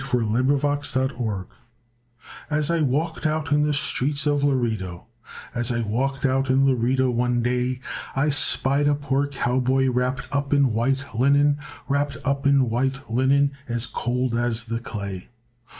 THE COWBOY'S LAMENT As I walked out in the streets of Laredo, As I walked out in Laredo one day, I spied a poor cowboy wrapped up in white linen, Wrapped up in white linen as cold as the clay.